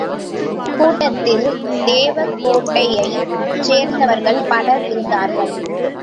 கூட்டத்தில் தேவகோட்டையைச் சேர்ந்தவர்கள் பலர் இருந்தார்கள்.